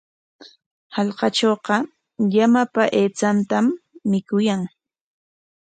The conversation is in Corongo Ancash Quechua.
Hallqatrawqa llama aychatam mikuyan.